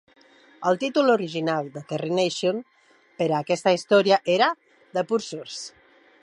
El títol original de Terry Nation per a aquesta història era "The Pursuers".